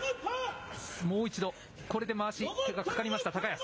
もう一度、これでまわし、手がかかりました、高安。